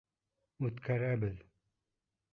Үткәрәбеҙ!